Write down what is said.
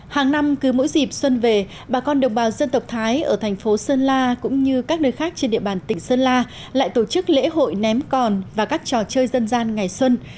hàng năm cứ mỗi dịp xuân về bà con đồng bào dân tộc thái ở thành phố sơn la cũng như các nơi khác trên địa bàn tỉnh sơn la lại tổ chức lễ hội ném còn và các trò chơi dân gian ngày xuân